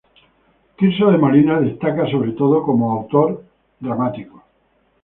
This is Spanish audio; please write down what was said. Tirso de Molina destaca sobre todo como autor dramático.